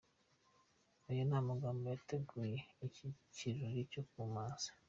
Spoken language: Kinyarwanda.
Ayo ni amagambo y’abateguye iki kirori cyo ku mazi.